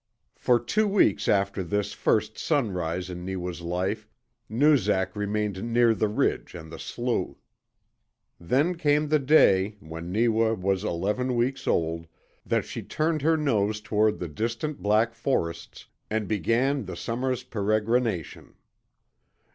For two weeks after this first sunrise in Neewa's life Noozak remained near the ridge and the slough. Then came the day, when Neewa was eleven weeks old, that she turned her nose toward the distant black forests and began the summer's peregrination.